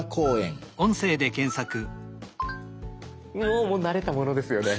おもう慣れたものですよね。